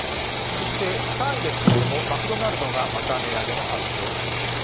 そして３位ですけれども、マクドナルドがまた値上げの発表ありました。